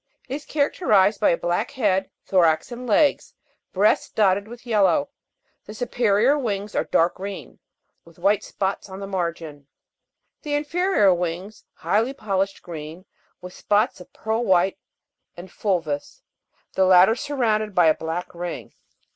It is characterized by a black head, thorax and legs ; breast dotted with yellow ; the superior wings are dark green, with white spots on the margin ; the inferior wings highly polished green, with spots of pearl white and fulvo'us, the latter surrounded by a black ring.